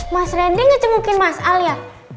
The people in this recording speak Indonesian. mas randy gak cengukin mas al ya